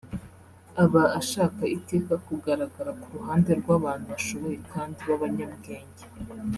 aba ashaka iteka kugaragara ku ruhande rw’abantu bashoboye kandi b’abanyabwenge